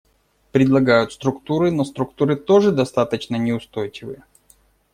Предлагают структуры, но структуры тоже достаточно неустойчивы.